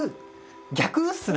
逆っすね。